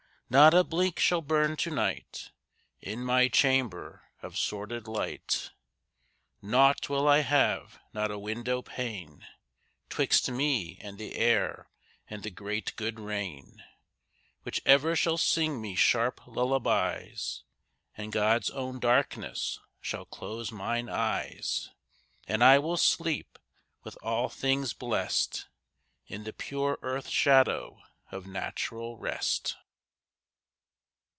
Not a blink shall burn to night In my chamber, of sordid light; Nought will I have, not a window pane, 'Twixt me and the air and the great good rain, Which ever shall sing me sharp lullabies; And God's own darkness shall close mine eyes; And I will sleep, with all things blest, In the pure earth shadow of natural rest.